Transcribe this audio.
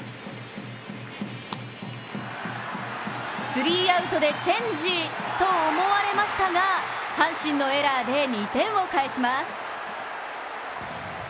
スリーアウトでチェンジと思われましたが阪神のエラーで２点を返します。